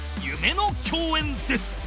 夢の共演です